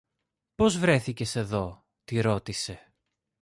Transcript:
Πώς βρέθηκες εδώ; τη ρώτησε.